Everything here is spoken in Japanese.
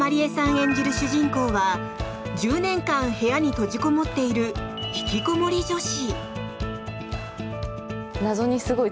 演じる主人公は１０年間部屋に閉じこもっているひきこもり女子。